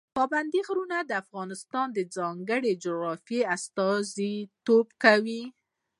پابندي غرونه د افغانستان د ځانګړې جغرافیې استازیتوب کوي.